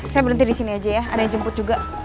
saya berhenti disini aja ya ada yang jemput juga